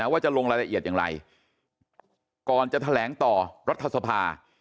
ว่าจะลงรายละเอียดอย่างไรก่อนจะแถลงต่อรัฐสภา